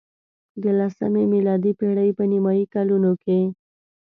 د لسمې میلادي پېړۍ په نیمايي کلونو کې.